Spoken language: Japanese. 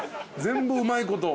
全部うまいこと。